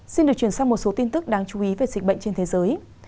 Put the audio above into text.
xin được chuyển sang một số tin tức đáng chú ý về dịch bệnh trên thế giới